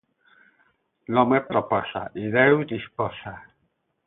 L’home proposa i Déu disposa.